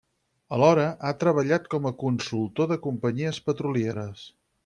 Alhora, ha treballat com a consultor de companyies petrolieres.